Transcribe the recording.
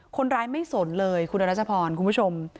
คนร้ายไม่สนเลยคุณรัชพรคุณผู้ชม